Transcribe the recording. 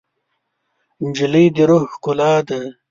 نجلۍ د روح ښکلا ده.